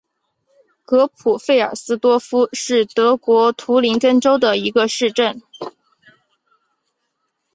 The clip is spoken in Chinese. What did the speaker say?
格普费尔斯多夫是德国图林根州的一个市镇。